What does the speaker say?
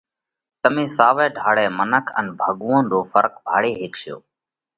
تمي ساوئہ ڍاۯئہ منک ان ڀڳوونَ رو ڦرق ڀاۯي هيڪشو۔